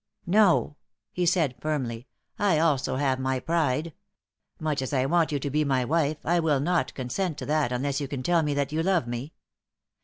"No," he said, firmly. "I also have my pride. Much as I want you to be my wife, I will not consent to that unless you can tell me that you love me."